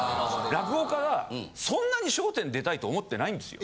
落語家はそんなに『笑点』出たいと思ってないんですよ。